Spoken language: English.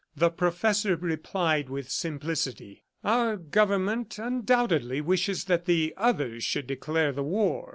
The professor replied with simplicity: "Our government undoubtedly wishes that the others should declare the war.